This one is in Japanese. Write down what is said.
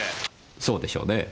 そうでしょうねぇ。